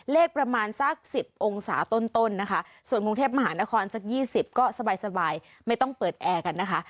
ประมาณสัก๑๐องศาต้นนะคะส่วนกรุงเทพมหานครสัก๒๐ก็สบายไม่ต้องเปิดแอร์กันนะคะ